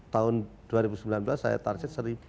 tahun dua ribu sembilan belas saya target seribu